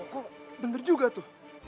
kok bener juga tuh